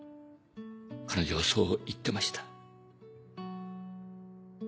彼女はそう言ってました。